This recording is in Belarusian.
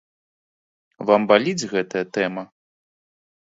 Вам баліць гэтая тэма?